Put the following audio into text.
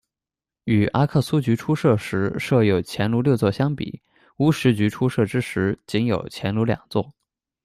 与阿克苏局初设时设有钱炉六座相比，乌什局初设之时仅有钱炉两座。